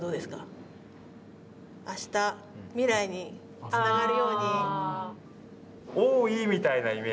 明日未来につながるように。